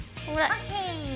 ＯＫ！